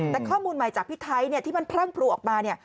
แต่ข้อมูลใหม่จากพี่ไทท์ที่มันพรั่งพรูออกมา